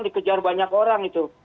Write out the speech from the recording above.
dikejar banyak orang itu